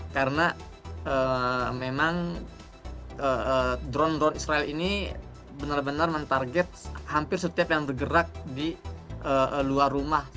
karena memang drone drone israel ini benar benar menarget hampir setiap yang bergerak di luar rumah